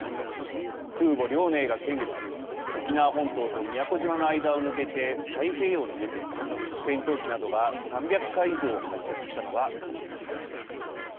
空母、遼寧が先月沖縄本島と宮古島の間を抜けて太平洋に出て、戦闘機などが３００回以上、発着したのが確認されました。